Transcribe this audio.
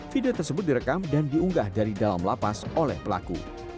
video tersebut direkam dan diunggah dari dalam lapas oleh pelaku